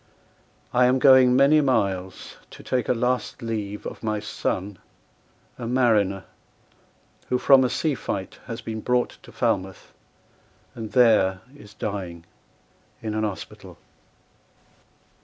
I am going many miles to take A last leave of my son, a mariner, Who from a sea fight has been brought to Falmouth, And there is dying in an hospital."